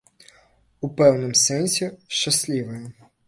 У пэўным сэнсе, шчаслівае.